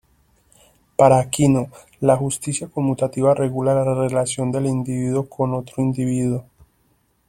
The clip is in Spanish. Para Aquino, la justicia conmutativa regula la relación del individuo con otro individuo.